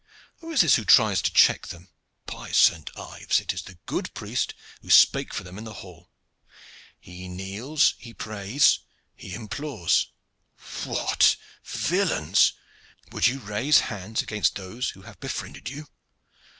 Who is this who tries to check them? By St. Ives! it is the good priest who spake for them in the hall. He kneels, he prays, he implores! What! villains, would ye raise hands against those who have befriended you?